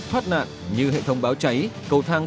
thoát nạn như hệ thông báo cháy cầu thang